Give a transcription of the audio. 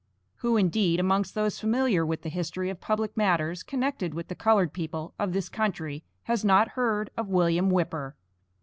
Who, indeed, amongst those familiar with the history of public matters connected with the colored people of this country, has not heard of William Whipper?